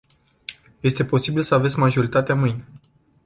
Este posibil să aveți majoritatea mâine.